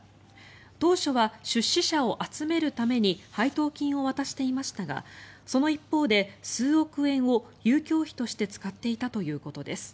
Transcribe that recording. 当初は出資者を集めるために配当金を渡していましたがその一方で数億円を遊興費として使っていたということです。